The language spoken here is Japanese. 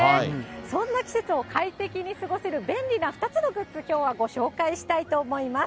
そんな季節を快適に過ごせる便利な２つのグッズ、きょうはご紹介したいと思います。